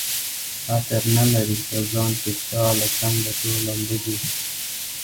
عطر نه لري په ځان کي ستا له څنګه ټوله مړه دي